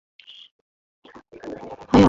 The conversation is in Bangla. অ-নাগরিক মুসলমানদের সংখ্যা সম্পর্কে কোনও অনুমান নেই।